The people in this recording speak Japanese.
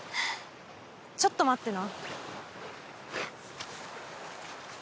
ちょっと待ってな。